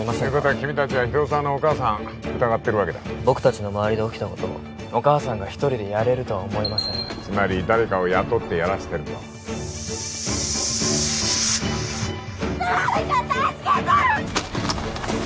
君達は広沢のお母さん疑ってるわけだ僕達の周りで起きたことをお母さんが一人でやれるとは思えませんつまり誰かを雇ってやらせてると誰か助けて！